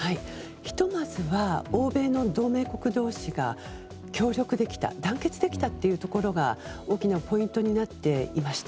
ひと先ずは欧米の同盟国同士が協力できた団結できたというところが大きなポイントになっていました。